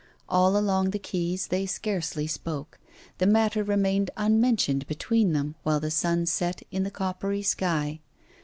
All along the quays they scarcely spoke; the matter remained unmentioned between them while the sun set in the coppery sky.